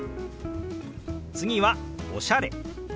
次は「おしゃれ」。